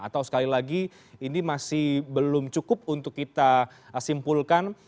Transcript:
atau sekali lagi ini masih belum cukup untuk kita simpulkan